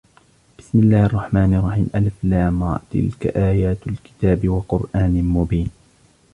بِسْمِ اللَّهِ الرَّحْمَنِ الرَّحِيمِ الر تِلْكَ آيَاتُ الْكِتَابِ وَقُرْآنٍ مُبِينٍ